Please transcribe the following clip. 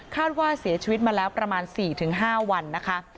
ว่าเสียชีวิตมาแล้วประมาณ๔๕วันนะคะ